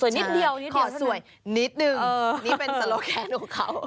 นิดเดียวขอสวยนิดนึงนี่เป็นสโลแคนของเขา